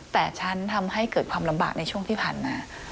แต่ฉันทำให้เกิดความลำบากในช่วงที่ผ่านมา